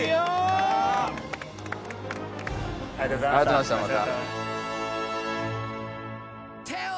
ありがとうございましたまた。